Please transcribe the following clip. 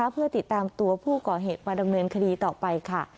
เพื่อติดตามตัวผู้ก่อเหตุมาดำเนินคดีต่อไปค่ะ